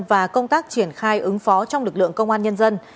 và công tác triển khai ứng phó trong lực lượng công an nhân dân